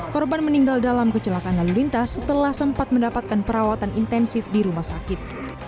korban meninggal dalam kecelakaan lalu lintas setelah sempat mendapatkan perawatan intensif di rumah sakit